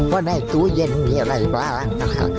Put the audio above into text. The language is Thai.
ว่าในตู้เย็นมีอะไรบ้างนะคะ